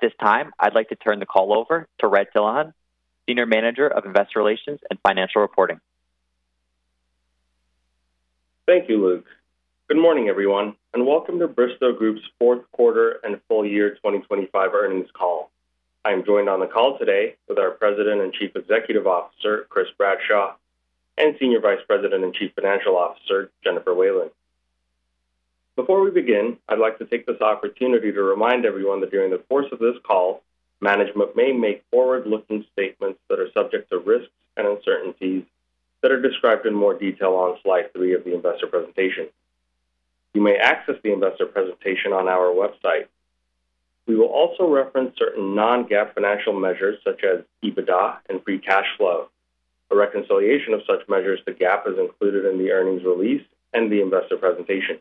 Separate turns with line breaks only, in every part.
At this time, I'd like to turn the call over to Red Tilahun, Senior Manager of Investor Relations and Financial Reporting.
Thank you, Luke. Good morning, everyone, and welcome to Bristow Group's fourth quarter and full year 2025 earnings call. I'm joined on the call today with our President and Chief Executive Officer, Chris Bradshaw, and Senior Vice President and Chief Financial Officer, Jennifer Whalen. Before we begin, I'd like to take this opportunity to remind everyone that during the course of this call, management may make forward-looking statements that are subject to risks and uncertainties that are described in more detail on slide three of the investor presentation. You may access the investor presentation on our website. We will also reference certain non-GAAP financial measures such as EBITDA and free cash flow. A reconciliation of such measures to GAAP is included in the earnings release and the investor presentation.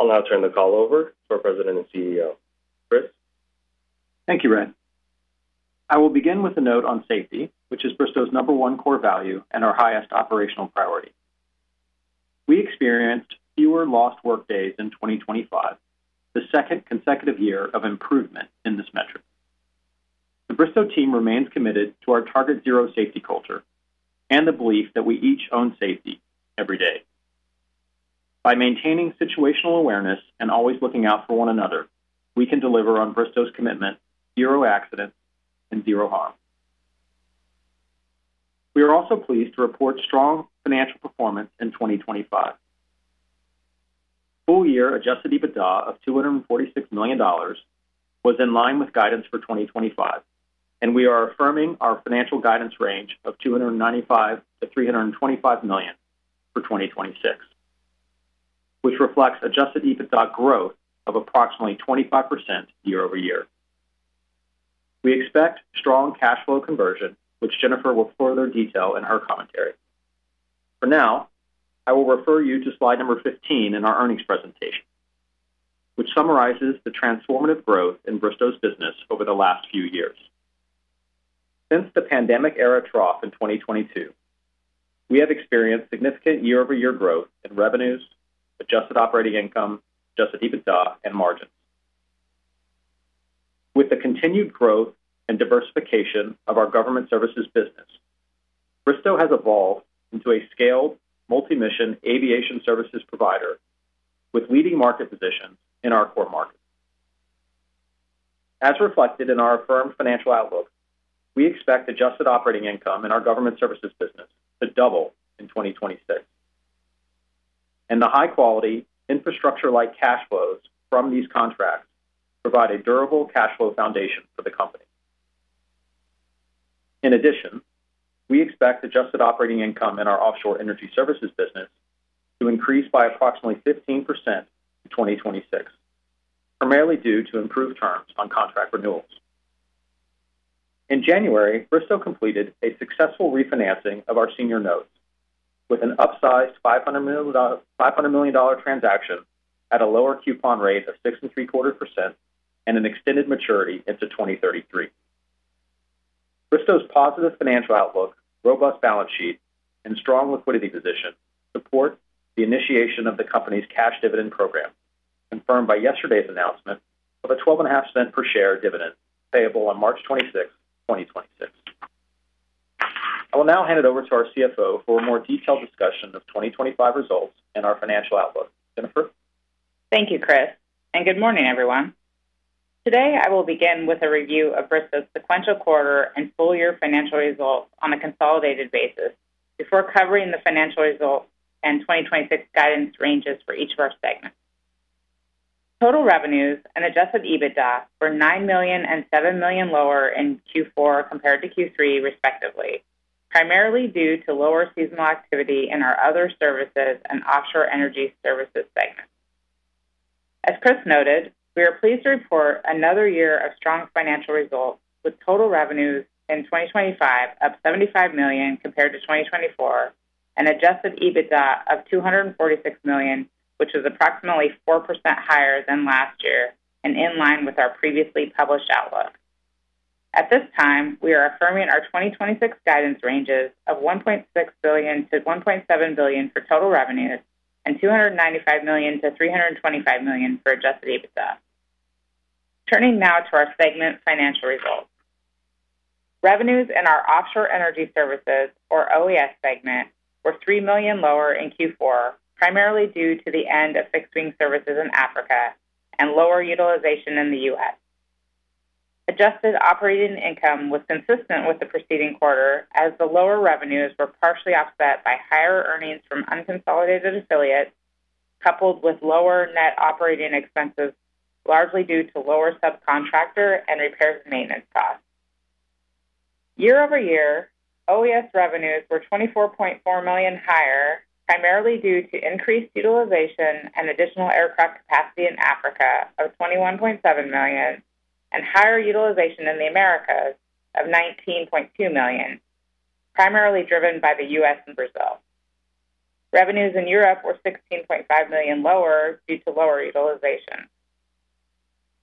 I'll now turn the call over to our President and CEO. Chris?
Thank you, Red. I will begin with a note on safety, which is Bristow's number one core value and our highest operational priority. We experienced fewer lost workdays in 2025, the second consecutive year of improvement in this metric. The Bristow team remains committed to our Target Zero safety culture and the belief that we each own safety every day. By maintaining situational awareness and always looking out for one another, we can deliver on Bristow's commitment, zero accidents and zero harm. We are also pleased to report strong financial performance in 2025. Full year Adjusted EBITDA of $246 million was in line with guidance for 2025, and we are affirming our financial guidance range of $295 million-$325 million for 2026, which reflects Adjusted EBITDA growth of approximately 25% year-over-year. We expect strong cash flow conversion, which Jennifer will further detail in her commentary. Now, I will refer you to slide number 15 in our earnings presentation, which summarizes the transformative growth in Bristow's business over the last few years. Since the pandemic era trough in 2022, we have experienced significant year-over-year growth in revenues, adjusted operating income, Adjusted EBITDA, and margins. With the continued growth and diversification of our government services business, Bristow has evolved into a scaled, multi-mission aviation services provider with leading market positions in our core markets. As reflected in our affirmed financial outlook, we expect adjusted operating income in our government services business to double in 2026, the high-quality infrastructure-like cash flows from these contracts provide a durable cash flow foundation for the company. We expect adjusted operating income in our Offshore Energy Services business to increase by approximately 15% in 2026, primarily due to improved terms on contract renewals. In January, Bristow completed a successful refinancing of our senior notes with an upsized $500 million transaction at a lower coupon rate of 6.75% and an extended maturity into 2033. Bristow's positive financial outlook, robust balance sheet, and strong liquidity position support the initiation of the company's cash dividend program, confirmed by yesterday's announcement of a $0.125 per share dividend, payable on March 26, 2026. I will now hand it over to our CFO for a more detailed discussion of 2025 results and our financial outlook. Jennifer?
Thank you, Chris. Good morning, everyone. Today, I will begin with a review of Bristow's sequential quarter and full year financial results on a consolidated basis before covering the financial results and 2026 guidance ranges for each of our segments. Total revenues and Adjusted EBITDA were $9 million and $7 million lower in Q4 compared to Q3, respectively, primarily due to lower seasonal activity in our other services and Offshore Energy Services segments. As Chris noted, we are pleased to report another year of strong financial results, with total revenues in 2025 up $75 million compared to 2024, and Adjusted EBITDA of $246 million, which is approximately 4% higher than last year and in line with our previously published outlook. At this time, we are affirming our 2026 guidance ranges of $1.6 billion-$1.7 billion for total revenues and $295 million-$325 million for Adjusted EBITDA. Turning now to our segment financial results. Revenues in our Offshore Energy Services, or OES segment, were $3 million lower in Q4, primarily due to the end of fixed-wing services in Africa and lower utilization in the U.S. adjusted operating income was consistent with the preceding quarter, as the lower revenues were partially offset by higher earnings from unconsolidated affiliates, coupled with lower net operating expenses, largely due to lower subcontractor and repairs maintenance costs. Year-over-year, OES revenues were $24.4 million higher, primarily due to increased utilization and additional aircraft capacity in Africa of $21.7 million, and higher utilization in the Americas of $19.2 million, primarily driven by the U.S. and Brazil. Revenues in Europe were $16.5 million lower due to lower utilization.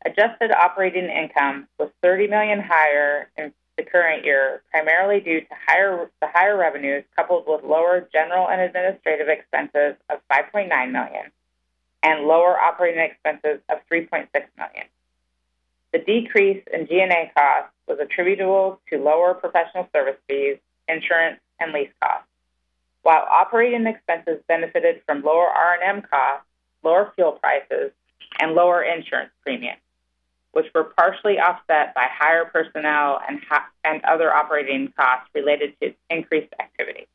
Adjusted operating income was $30 million higher in the current year, primarily due to the higher revenues, coupled with lower general and administrative expenses of $5.9 million, and lower operating expenses of $3.6 million. The decrease in G&A costs was attributable to lower professional service fees, insurance and lease costs, while operating expenses benefited from lower R&M costs, lower fuel prices and lower insurance premiums, which were partially offset by higher personnel and other operating costs related to increased activity.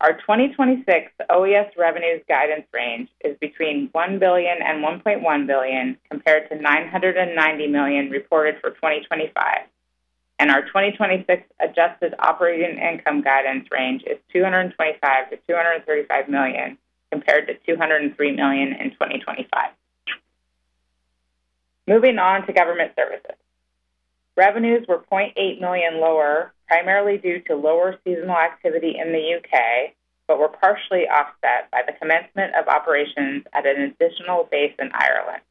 Our 2026 OES revenues guidance range is between $1 billion and $1.1 billion, compared to $990 million reported for 2025. Our 2026 adjusted operating income guidance range is $225 million-$235 million, compared to $203 million in 2025. Moving on to government services. Revenues were $0.8 million lower, primarily due to lower seasonal activity in the U.K., but were partially offset by the commencement of operations at an additional base in Ireland.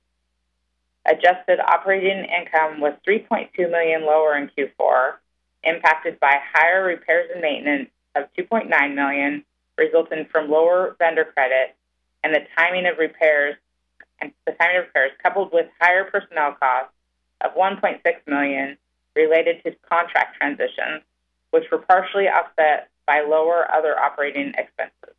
Adjusted operating income was $3.2 million lower in Q4, impacted by higher repairs and maintenance of $2.9 million, resulting from lower vendor credit and the timing of repairs, coupled with higher personnel costs of $1.6 million related to contract transitions, which were partially offset by lower other operating expenses.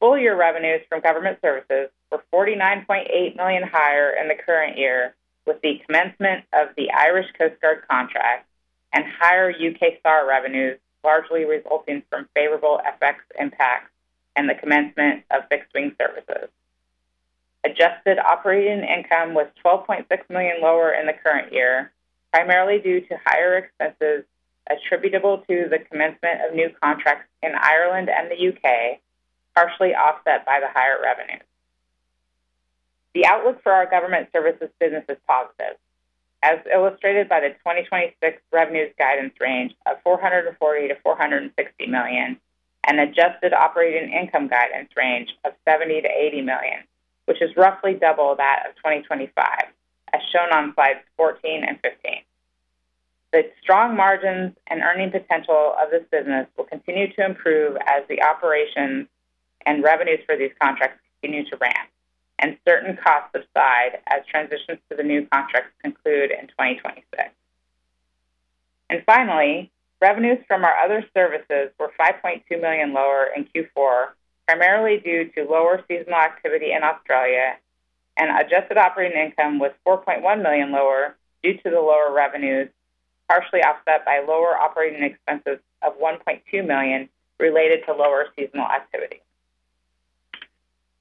Full year revenues from government services were $49.8 million higher in the current year, with the commencement of the Irish Coast Guard contract and higher UK SAR revenues, largely resulting from favorable FX impacts and the commencement of fixed-wing services. Adjusted operating income was $12.6 million lower in the current year, primarily due to higher expenses attributable to the commencement of new contracts in Ireland and the U.K., partially offset by the higher revenues. The outlook for our government services business is positive, as illustrated by the 2026 revenues guidance range of $440 million-$460 million and adjusted operating income guidance range of $70 million-$80 million, which is roughly double that of 2025, as shown on slides 14 and 15. The strong margins and earning potential of this business will continue to improve as the operations and revenues for these contracts continue to ramp and certain costs subside as transitions to the new contracts conclude in 2026. Finally, revenues from our other services were $5.2 million lower in Q4, primarily due to lower seasonal activity in Australia, and adjusted operating income was $4.1 million lower due to the lower revenues, partially offset by lower operating expenses of $1.2 million related to lower seasonal activity.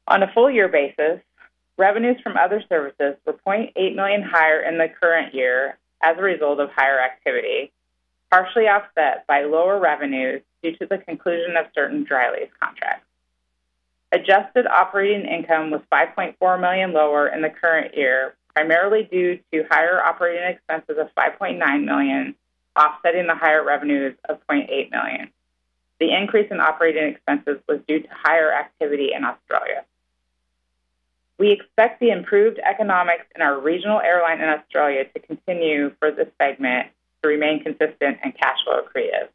On a full year basis, revenues from other services were $0.8 million higher in the current year as a result of higher activity, partially offset by lower revenues due to the conclusion of certain dry lease contracts. Adjusted operating income was $5.4 million lower in the current year, primarily due to higher operating expenses of $5.9 million, offsetting the higher revenues of $0.8 million. The increase in operating expenses was due to higher activity in Australia. We expect the improved economics in our regional airline in Australia to continue for this segment to remain consistent and cash flow creative.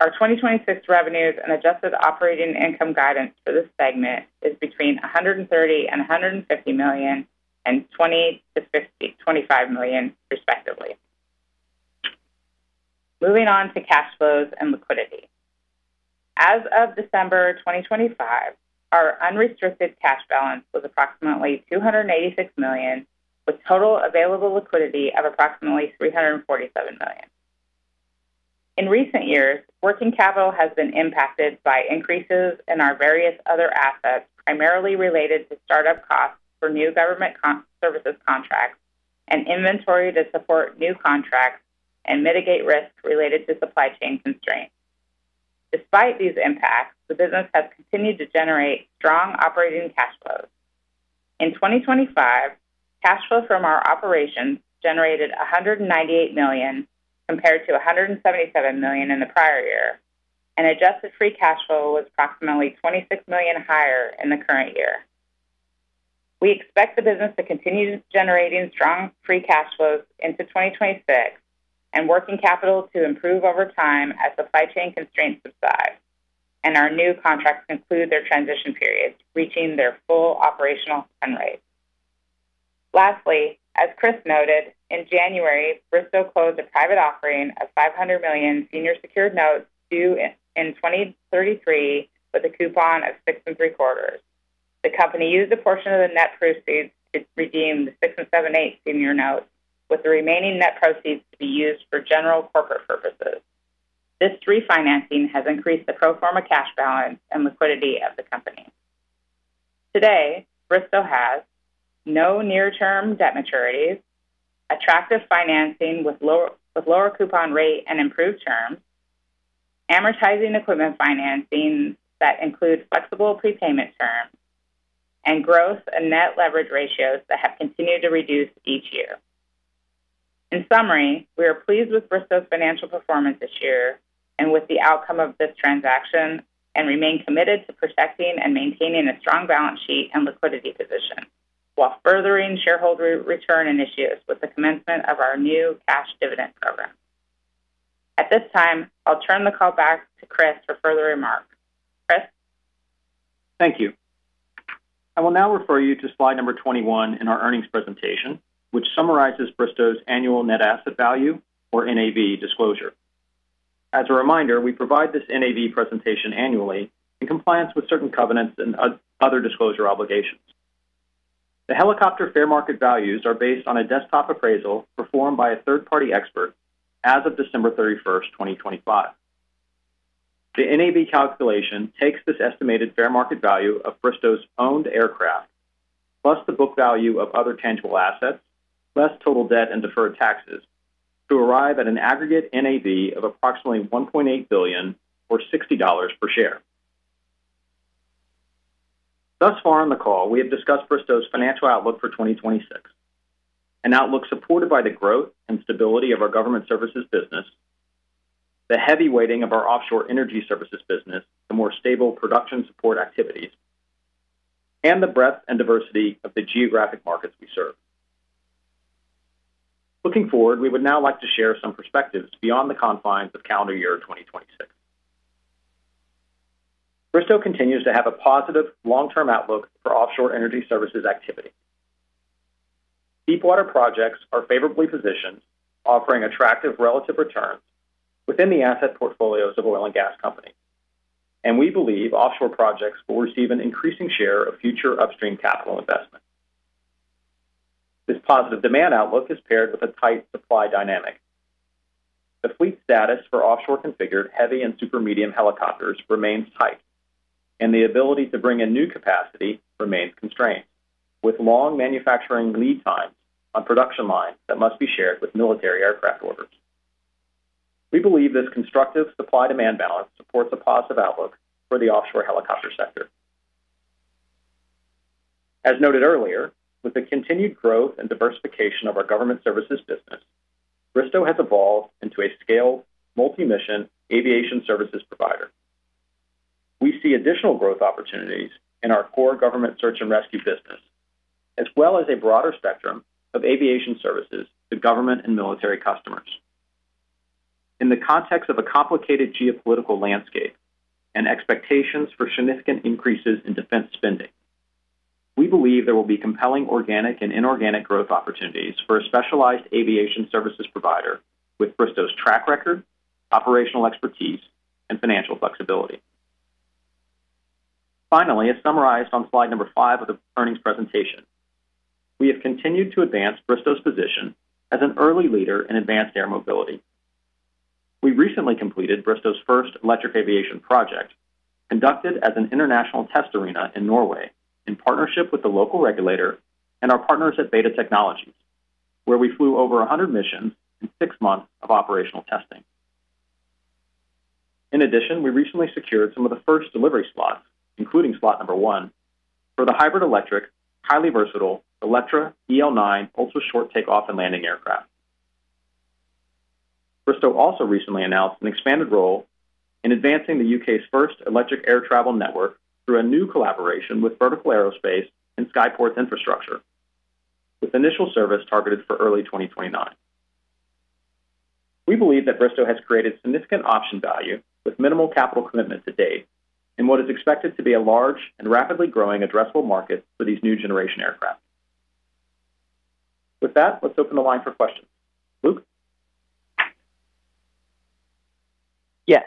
Our 2026 revenues and adjusted operating income guidance for this segment is between $130 million and $150 million and $20 million to $25 million, respectively. Moving on to cash flows and liquidity. As of December 2025, our unrestricted cash balance was approximately $286 million, with total available liquidity of approximately $347 million. In recent years, working capital has been impacted by increases in our various other assets, primarily related to start-up costs for new government services contracts and inventory to support new contracts and mitigate risks related to supply chain constraints. Despite these impacts, the business has continued to generate strong operating cash flows. In 2025, cash flow from our operations generated $198 million, compared to $177 million in the prior year, and Adjusted Free Cash Flow was approximately $26 million higher in the current year. We expect the business to continue generating strong free cash flows into 2026 and working capital to improve over time as supply chain constraints subside and our new contracts conclude their transition periods, reaching their full operational run rate. Lastly, as Chris noted, in January, Bristow closed a private offering of $500 million Senior Secured Notes due in 2033 with a coupon of 6.75%. The company used a portion of the net proceeds to redeem the 6.875% Senior Notes, with the remaining net proceeds to be used for general corporate purposes. This refinancing has increased the pro forma cash balance and liquidity of the company. Today, Bristow has no near-term debt maturities, attractive financing with lower coupon rate and improved terms, amortizing equipment financing that includes flexible prepayment terms and gross and net leverage ratios that have continued to reduce each year. In summary, we are pleased with Bristow's financial performance this year and with the outcome of this transaction, remain committed to protecting and maintaining a strong balance sheet and liquidity position while furthering shareholder return initiatives with the commencement of our new cash dividend program. At this time, I'll turn the call back to Chris for further remarks. Chris?
Thank you. I will now refer you to slide number 21 in our earnings presentation, which summarizes Bristow's annual Net Asset Value, or NAV disclosure. As a reminder, we provide this NAV presentation annually in compliance with certain covenants and other disclosure obligations. The helicopter fair market values are based on a desktop appraisal performed by a third-party expert as of December 31, 2025. The NAV calculation takes this estimated fair market value of Bristow's owned aircraft, plus the book value of other tangible assets, less total debt and deferred taxes, to arrive at an aggregate NAV of approximately $1.8 billion or $60 per share. Thus far on the call, we have discussed Bristow's financial outlook for 2026, an outlook supported by the growth and stability of our government services business, the heavy weighting of our Offshore Energy Services business, the more stable production support activities, and the breadth and diversity of the geographic markets we serve. Looking forward, we would now like to share some perspectives beyond the confines of calendar year 2026. Bristow continues to have a positive long-term outlook for Offshore Energy Services activity. Deepwater projects are favorably positioned, offering attractive relative returns within the asset portfolios of oil and gas companies, and we believe offshore projects will receive an increasing share of future upstream capital investment. This positive demand outlook is paired with a tight supply dynamic. The fleet status for offshore-configured heavy and super medium helicopters remains tight, and the ability to bring in new capacity remains constrained, with long manufacturing lead times on production lines that must be shared with military aircraft orders. We believe this constructive supply-demand balance supports a positive outlook for the offshore helicopter sector. As noted earlier, with the continued growth and diversification of our government services business, Bristow has evolved into a scaled, multi-mission aviation services provider. We see additional growth opportunities in our core government search and rescue business, as well as a broader spectrum of aviation services to government and military customers. In the context of a complicated geopolitical landscape and expectations for significant increases in defense spending, we believe there will be compelling organic and inorganic growth opportunities for a specialized aviation services provider with Bristow's track record, operational expertise, and financial flexibility. Finally, as summarized on slide number five of the earnings presentation, we have continued to advance Bristow's position as an early leader in advanced air mobility. We recently completed Bristow's first electric aviation project, conducted as an international test arena in Norway, in partnership with the local regulator and our partners at BETA Technologies, where we flew over 100 missions in 6 months of operational testing. In addition, we recently secured some of the first delivery slots, including slot number one, for the hybrid electric, highly versatile Electra EL9 Ultra Short Takeoff and Landing aircraft. Bristow also recently announced an expanded role in advancing the UK's first electric air travel network through a new collaboration with Vertical Aerospace and Skyports Infrastructure, with initial service targeted for early 2029. We believe that Bristow has created significant option value with minimal capital commitment to date in what is expected to be a large and rapidly growing addressable market for these new generation aircraft. With that, let's open the line for questions. Luke?
Yes.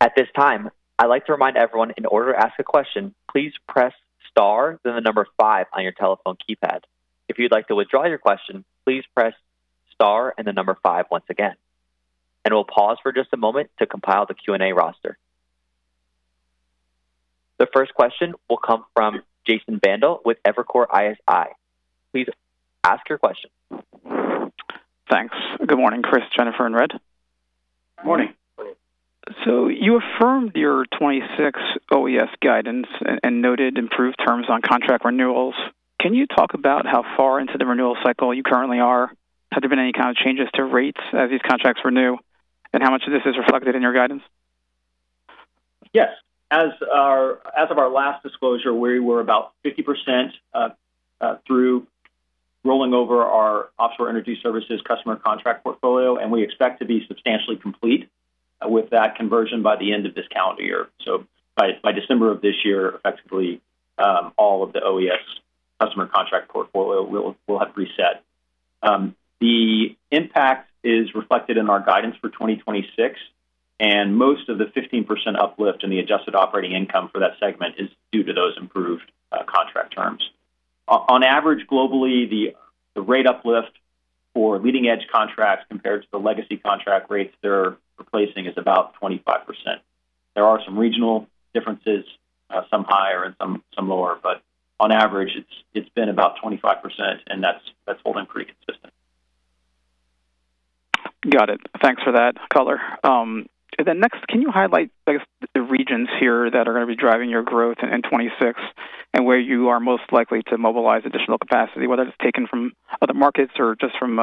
At this time, I'd like to remind everyone, in order to ask a question, please press star, then the number five on your telephone keypad. If you'd like to withdraw your question, please press star and the number five once again. We'll pause for just a moment to compile the Q&A roster. The first question will come from Jason Bandel with Evercore ISI. Please ask your question.
Thanks. Good morning, Chris, Jennifer, and Red.
Morning.
You affirmed your 2026 OES guidance and noted improved terms on contract renewals. Can you talk about how far into the renewal cycle you currently are? Have there been any kind of changes to rates as these contracts renew, and how much of this is reflected in your guidance?
Yes. As of our last disclosure, we were about 50% through rolling over our Offshore Energy Services customer contract portfolio, and we expect to be substantially complete with that conversion by the end of this calendar year. By December of this year, effectively, all of the OES customer contract portfolio will have reset. The impact is reflected in our guidance for 2026, and most of the 15% uplift in the adjusted operating income for that segment is due to those improved contract terms. On average, globally, the rate uplift for leading-edge contracts compared to the legacy contract rates they're replacing is about 25%. There are some regional differences, some higher and some lower, but on average, it's been about 25%, and that's holding pretty consistent.
Got it. Thanks for that color. Next, can you highlight, I guess, the regions here that are going to be driving your growth in 2026 and where you are most likely to mobilize additional capacity, whether it's taken from other markets or just from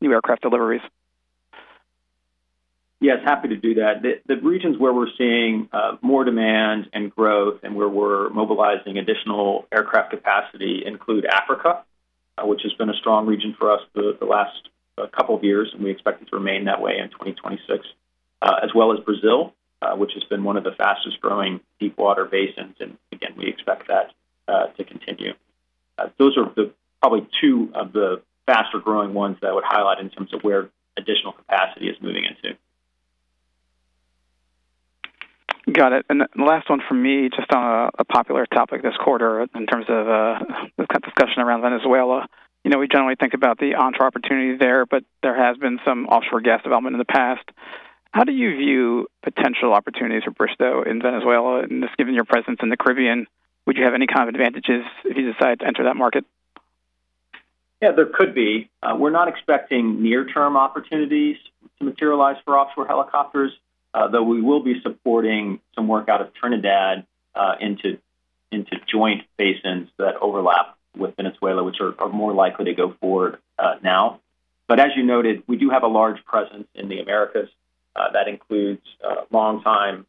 new aircraft deliveries?
Yes, happy to do that. The regions where we're seeing more demand and growth and where we're mobilizing additional aircraft capacity include Africa, which has been a strong region for us for the last couple of years, and we expect it to remain that way in 2026. As well as Brazil, which has been one of the fastest-growing deepwater basins, and again, we expect that to continue. Those are the probably two of the faster-growing ones that I would highlight in terms of where additional capacity is moving into.
Got it. The last one from me, just on a popular topic this quarter in terms of the kind of discussion around Venezuela. You know, we generally think about the onshore opportunity there, but there has been some offshore gas development in the past. How do you view potential opportunities for Bristow in Venezuela? Just given your presence in the Caribbean, would you have any kind of advantages if you decide to enter that market?
Yeah, there could be. We're not expecting near-term opportunities to materialize for offshore helicopters, though we will be supporting some work out of Trinidad, into joint basins that overlap with Venezuela, which are more likely to go forward, now. As you noted, we do have a large presence in the Americas. That includes, long time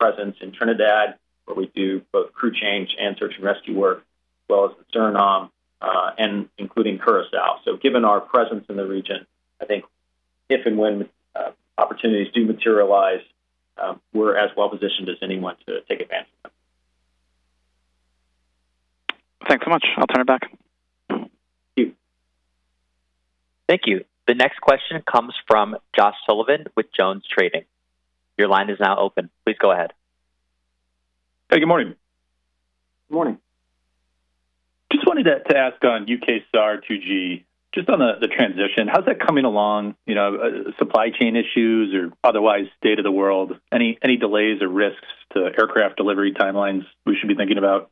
presence in Trinidad, where we do both crew change and search and rescue work, as well as the Suriname, and including Curaçao. Given our presence in the region, I think if and when, opportunities do materialize, we're as well positioned as anyone to take advantage of them.
Thanks so much. I'll turn it back.
Thank you.
Thank you. The next question comes from Josh Sullivan with JonesTrading. Your line is now open. Please go ahead.
Hey, good morning.
Good morning.
Just wanted to ask on UKSAR2G, just on the transition, how's that coming along? You know, supply chain issues or otherwise state of the world, any delays or risks to aircraft delivery timelines we should be thinking about?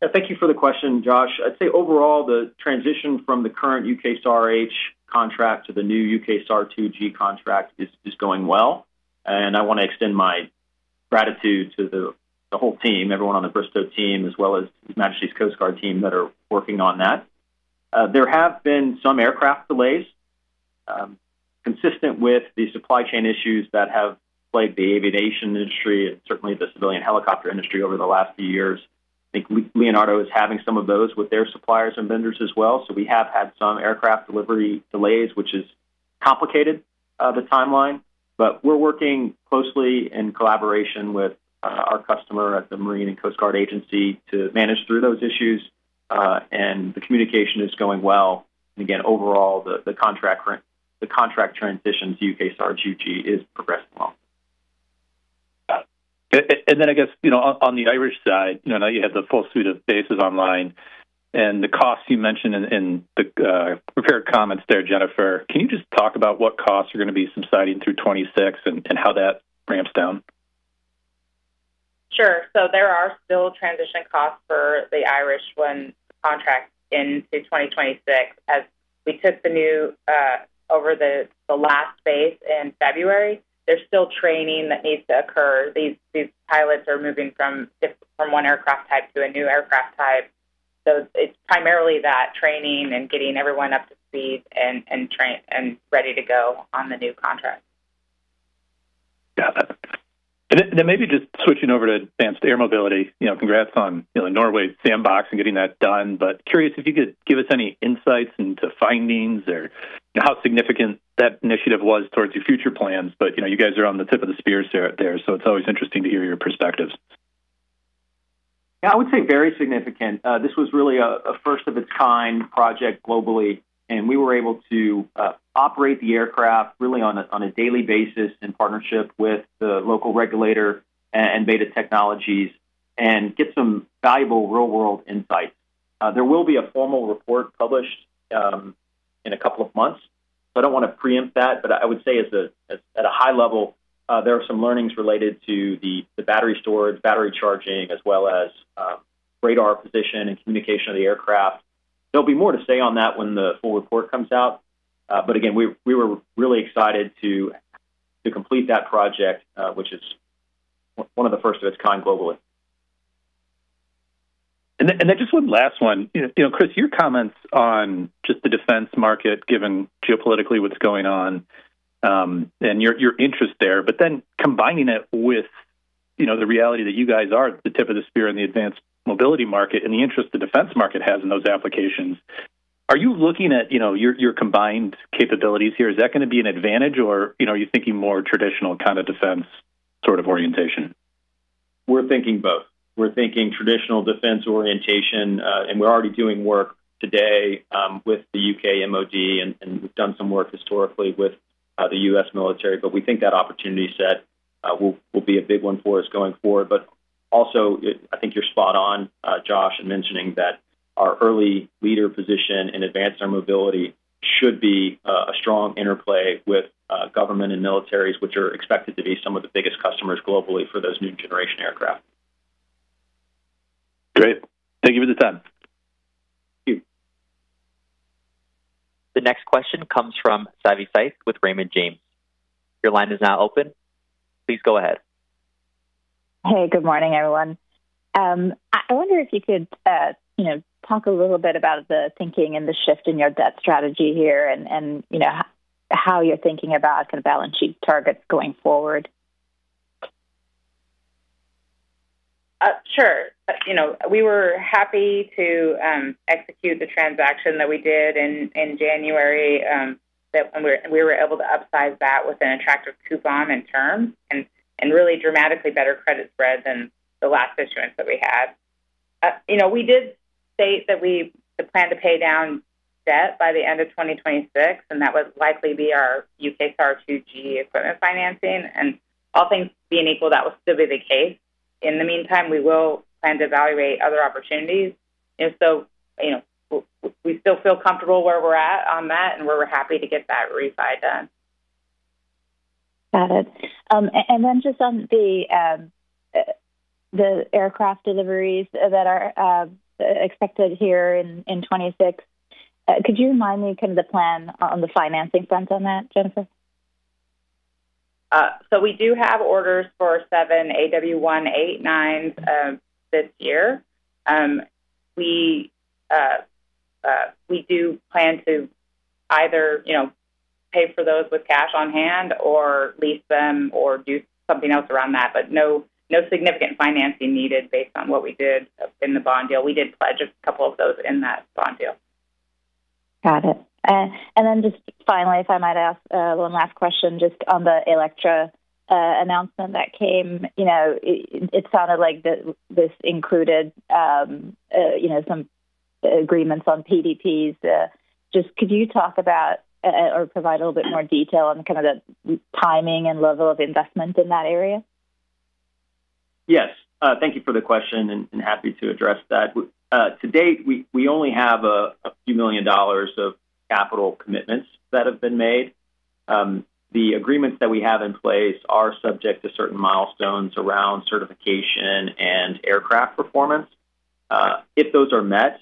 Yeah, thank you for the question, Josh Sullivan. I'd say overall, the transition from the current UK SAR H contract to the new UKSAR2G contract is going well, and I want to extend my gratitude to the whole team, everyone on the Bristow team, as well as His Majesty's Coastguard team that are working on that. There have been some aircraft delays, consistent with the supply chain issues that have plagued the aviation industry and certainly the civilian helicopter industry over the last few years. I think Leonardo is having some of those with their suppliers and vendors as well, so we have had some aircraft delivery delays, which has complicated the timeline. We're working closely in collaboration with our customer at the Maritime and Coastguard Agency to manage through those issues, and the communication is going well. Again, overall, the contract transition to UKSAR2G is progressing well.
Got it. Then I guess, you know, on the Irish side, I know you had the full suite of bases online, and the costs you mentioned in the prepared comments there, Jennifer, can you just talk about what costs are going to be subsiding through 2026 and how that ramps down?
Sure. There are still transition costs for the Irish 1 contract into 2026. As we took over the last phase in February, there's still training that needs to occur. These pilots are moving from one aircraft type to a new aircraft type. It's primarily that training and getting everyone up to speed and ready to go on the new contract.
Got it. Then maybe just switching over to advanced air mobility. You know, congrats on, you know, Norway's sandbox and getting that done, but curious if you could give us any insights into findings or how significant that initiative was towards your future plans. You know, you guys are on the tip of the spears there, so it's always interesting to hear your perspectives.
I would say very significant. This was really a first of its kind project globally, we were able to operate the aircraft really on a daily basis in partnership with the local regulator and BETA Technologies and get some valuable real-world insights. There will be a formal report published in a couple of months, I don't want to preempt that, but I would say at a high level, there are some learnings related to the battery storage, battery charging, as well as radar position and communication of the aircraft. There'll be more to say on that when the full report comes out, again, we were really excited to complete that project, which is one of the first of its kind globally.
Just one last one. You know, Chris, your comments on just the defense market, given geopolitically what's going on, and your interest there, combining it with, you know, the reality that you guys are at the tip of the spear in the advanced mobility market and the interest the defense market has in those applications. Are you looking at, you know, your combined capabilities here? Is that going to be an advantage or, you know, are you thinking more traditional kind of defense sort of orientation?
We're thinking both. We're thinking traditional defense orientation, and we're already doing work today with the UK MoD, and we've done some work historically with the U.S. military, but we think that opportunity set will be a big one for us going forward. Also, I think you're spot on, Josh, in mentioning that our early leader position in advanced air mobility should be a strong interplay with government and militaries, which are expected to be some of the biggest customers globally for those new generation aircraft.
Great. Thank you for the time.
Thank you.
The next question comes from Savi Syth with Raymond James. Your line is now open. Please go ahead.
Hey, good morning, everyone. I wonder if you could, you know, talk a little bit about the thinking and the shift in your debt strategy here and you know, how you're thinking about kind of balance sheet targets going forward?
Sure. You know, we were happy to execute the transaction that we did in January, that when we were able to upsize that with an attractive coupon and terms and really dramatically better credit spread than the last issuance that we had. You know, we did state that we plan to pay down debt by the end of 2026, and that would likely be our UKSAR2G equipment financing, and all things being equal, that will still be the case. In the meantime, we will plan to evaluate other opportunities. You know, we still feel comfortable where we're at on that, and we're happy to get that refi done.
Got it. Just on the aircraft deliveries that are expected here in 2026, could you remind me kind of the plan on the financing front on that, Jennifer?
We do have orders for seven AW189s this year. We do plan to either, you know, pay for those with cash on hand or lease them or do something else around that, but no significant financing needed based on what we did in the bond deal. We did pledge a couple of those in that bond deal.
Got it. Just finally, if I might ask, one last question, just on the Electra announcement that came, you know, it sounded like this included, you know, some agreements on PDPs. Just could you talk about or provide a little bit more detail on kind of the timing and level of investment in that area?
Yes. Thank you for the question, happy to address that. To date, we only have a few million dollars of capital commitments that have been made. The agreements that we have in place are subject to certain milestones around certification and aircraft performance. If those are met,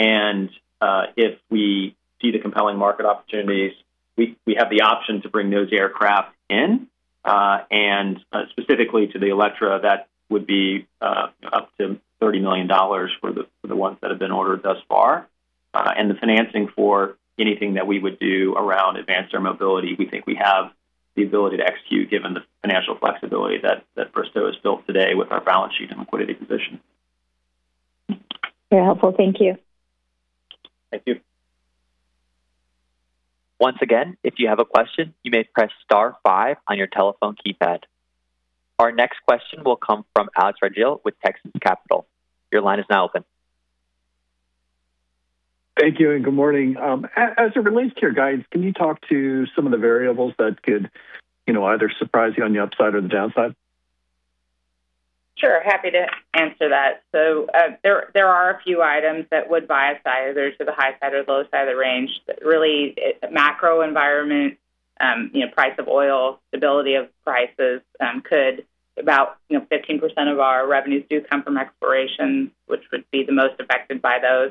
if we see the compelling market opportunities, we have the option to bring those aircraft in, specifically to the Electra, that would be up to $30 million for the ones that have been ordered thus far. The financing for anything that we would do around advanced air mobility, we think we have the ability to execute, given the financial flexibility that Bristow is built today with our balance sheet and liquidity position.
Very helpful. Thank you.
Thank you.
Once again, if you have a question, you may press star five on your telephone keypad. Our next question will come from Alex Rygiel with Texas Capital. Your line is now open.
Thank you. Good morning. As it relates to your guidance, can you talk to some of the variables that could, you know, either surprise you on the upside or the downside?
Sure, happy to answer that. There are a few items that would bias either to the high side or the low side of the range, but really, macro environment, you know, price of oil, stability of prices, could about, you know, 15% of our revenues do come from exploration, which would be the most affected by those.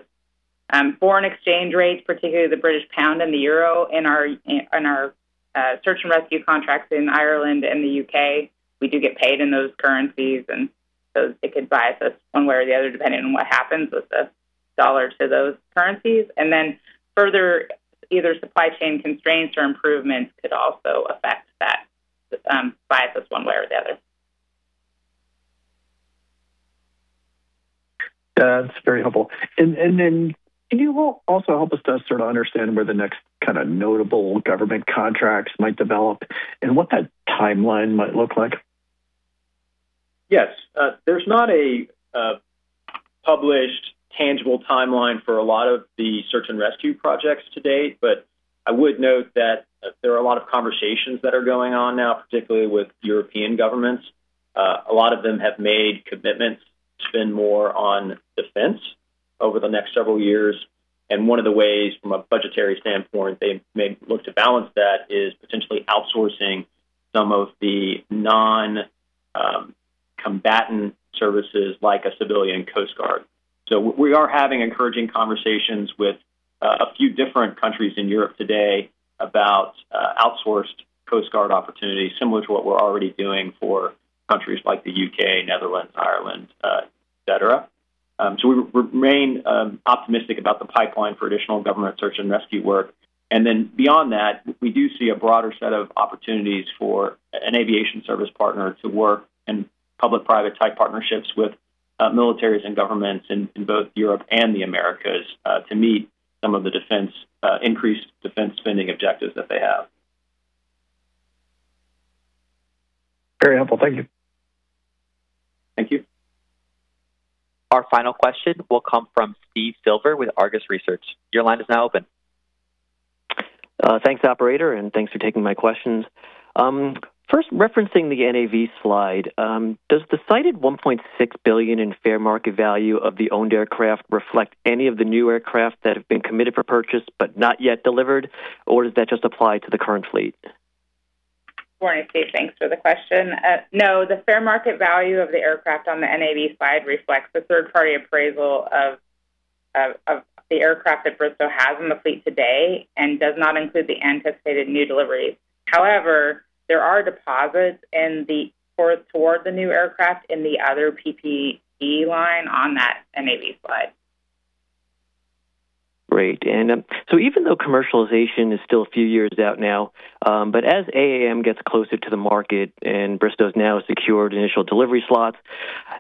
Foreign exchange rates, particularly the British pound and the euro in our search and rescue contracts in Ireland and the U.K. We do get paid in those currencies, it could bias us one way or the other, depending on what happens with the dollar to those currencies. Further, either supply chain constraints or improvements could also affect that, bias us one way or the other.
That's very helpful. Then can you also help us to sort of understand where the next kind of notable government contracts might develop and what that timeline might look like?
Yes. There's not a published tangible timeline for a lot of the search and rescue projects to date, but I would note that there are a lot of conversations that are going on now, particularly with European governments. A lot of them have made commitments to spend more on defense over the next several years, and one of the ways, from a budgetary standpoint, they may look to balance that is potentially outsourcing some of the non-combatant services like a civilian Coast Guard. We are having encouraging conversations with a few different countries in Europe today about outsourced Coast Guard opportunities, similar to what we're already doing for countries like the U.K, Netherlands, Ireland, et cetera. We remain optimistic about the pipeline for additional government search and rescue work. Beyond that, we do see a broader set of opportunities for an aviation service partner to work in public-private type partnerships with militaries and governments in both Europe and the Americas, to meet some of the defense increased defense spending objectives that they have.
Very helpful. Thank you.
Thank you.
Our final question will come from Steve Silver with Argus Research. Your line is now open.
Thanks, operator, and thanks for taking my questions. First, referencing the NAV slide, does the cited $1.6 billion in fair market value of the owned aircraft reflect any of the new aircraft that have been committed for purchase but not yet delivered, or does that just apply to the current fleet?
Morning, Steve. Thanks for the question. No, the fair market value of the aircraft on the NAV slide reflects the third-party appraisal of the aircraft that Bristow has in the fleet today and does not include the anticipated new deliveries. There are deposits in the port toward the new aircraft in the other PPE line on that NAV slide.
Great. Even though commercialization is still a few years out now, but as AAM gets closer to the market and Bristow has now secured initial delivery slots,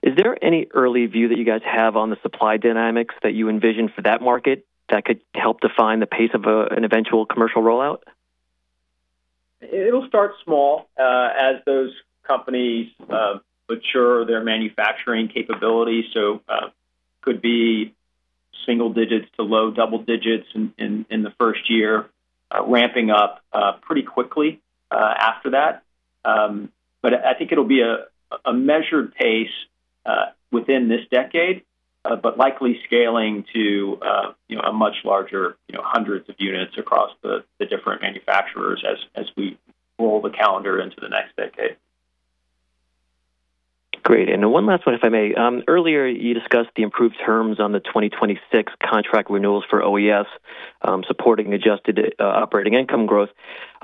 is there any early view that you guys have on the supply dynamics that you envision for that market that could help define the pace of an eventual commercial rollout?
It'll start small, as those companies mature their manufacturing capabilities. could be single digits to low double digits in the first year, ramping up pretty quickly after that. I think it'll be a measured pace within this decade, but likely scaling to, you know, a much larger, you know, hundreds of units across the different manufacturers as we roll the calendar into the next decade.
Great. One last one, if I may. Earlier, you discussed the improved terms on the 2026 contract renewals for OES, supporting adjusted operating income growth.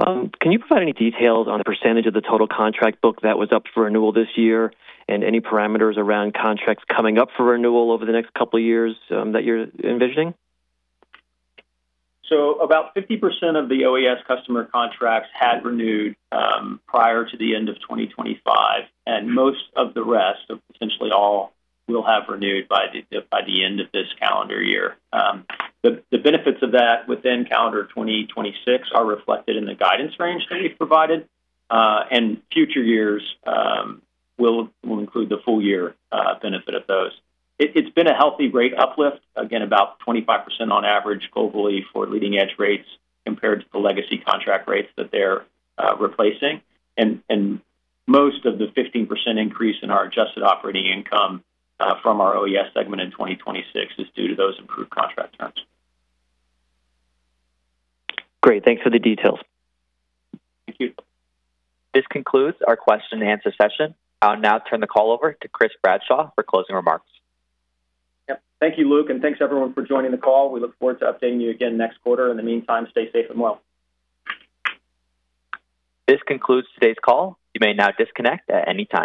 Can you provide any details on the % of the total contract book that was up for renewal this year, and any parameters around contracts coming up for renewal over the next couple of years, that you're envisioning?
About 50% of the OES customer contracts had renewed prior to the end of 2025, and most of the rest, so potentially all, will have renewed by the end of this calendar year. The benefits of that within calendar 2026 are reflected in the guidance range that we've provided, and future years will include the full year benefit of those. It's been a healthy rate uplift, again, about 25% on average globally for leading-edge rates compared to the legacy contract rates that they're replacing. Most of the 15% increase in our adjusted operating income from our OES segment in 2026 is due to those improved contract terms.
Great. Thanks for the details.
Thank you.
This concludes our question and answer session. I'll now turn the call over to Chris Bradshaw for closing remarks.
Yep. Thank you, Luke, thanks, everyone, for joining the call. We look forward to updating you again next quarter. In the meantime, stay safe and well.
This concludes today's call. You may now disconnect at any time.